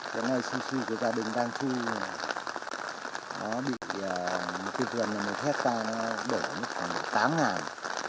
trên nơi xung suy của gia đình đang chu nó bị một hectare đổ mất khoảng tám ngàn